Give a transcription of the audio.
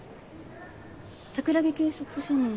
桜木警察署の。